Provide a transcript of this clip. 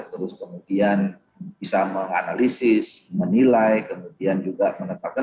terus kemudian bisa menganalisis menilai kemudian juga menetapkan